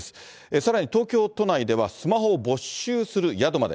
さらに東京都内では、スマホを没収する宿まで。